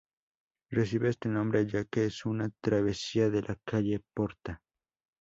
Recibe este nombre ya que es una travesía de la calle Porta.